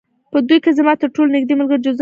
په دوی کې زما ترټولو نږدې ملګری جوزف نومېده